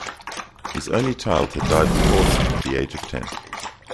His only child had died before him at the age of ten.